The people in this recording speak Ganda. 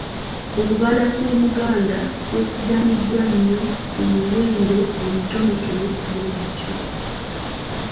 Okubala kw’Omuganda kwesigamiziddwa nnyo ku miwendo emitonoto bwe gityo.